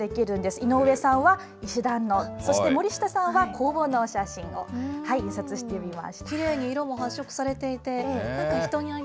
井上さんは石段の、そして森下さんは工房のお写真を印刷しています。